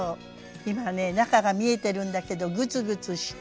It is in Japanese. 今ね中が見えてるんだけどグツグツして。